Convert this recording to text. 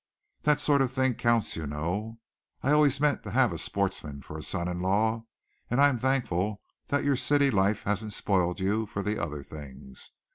That sort of thing counts, you know. I always meant to have a sportsman for a son in law, and I am thankful that your city life hasn't spoiled you for the other things.